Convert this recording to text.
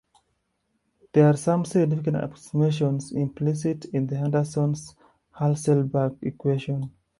There are some significant approximations implicit in the Henderson-Hasselbalch equation.